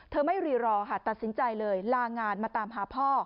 ไม่รีรอค่ะตัดสินใจเลยลางานมาตามหาพ่อ